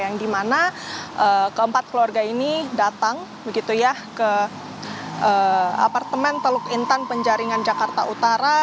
yang dimana keempat keluarga ini datang ke apartemen teluk intan penjaringan jakarta utara